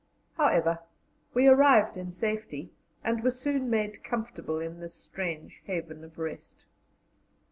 However, we arrived in safety, and were soon made comfortable in this strange haven of rest.